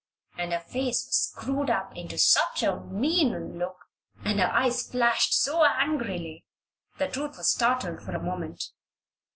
And her face was screwed up into such a mean look, and her eyes flashed so angrily, that Ruth was startled for a moment.